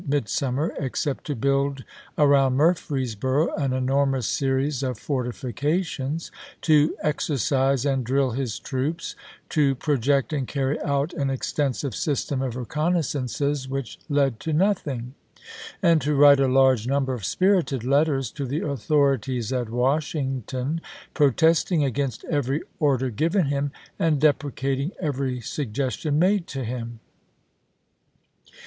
midsummer except to build around Murfreesboro an enormous series of fortifications, to exercise and drill his troops, to project and carry out an extensive system of reconnaissances which led to nothing, and to write a large number of spirited letters to the authorities at Washington protesting against every order given him and deprecating every suggestion made to him.